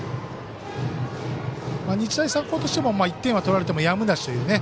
日大三高としても１点は取られてもやむなしというね。